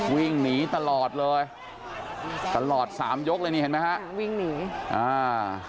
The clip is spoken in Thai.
วิ่งหนีตลอดเลยตลอดสามยกเลยนี่เห็นไหมฮะวิ่งหนีอ่า